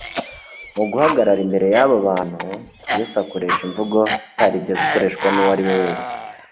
Mu guhagarara imbere y'abo bantu, Yesu akoresha imvugo itarigeze ikoreshwa n'uwo ariwe wese.